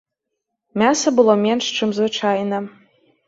Мяса было менш, чым звычайна.